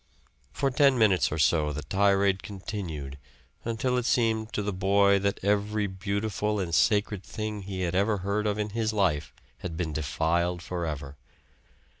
For ten minutes or so the tirade continued until it seemed to the boy that every beautiful and sacred thing he had ever heard of in his life had been defiled forever.